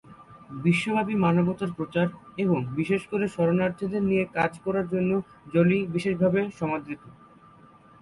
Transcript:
বিশ্বব্যাপী মানবতার প্রচার, এবং বিশেষ করে শরণার্থীদের নিয়ে কাজ করার জন্য জোলি বিশেষভাবে সমাদৃত।